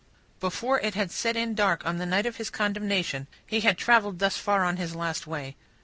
Before it had set in dark on the night of his condemnation, he had travelled thus far on his last way.